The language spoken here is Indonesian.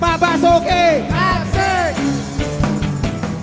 pak basuki asik